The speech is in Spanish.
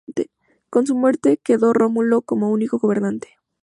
Con su muerte quedó Rómulo como único gobernante.